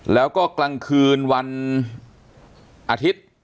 แล้วก็กลางคืนวันอาทิตย์